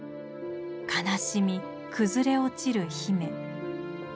悲しみ崩れ落ちるヒメ。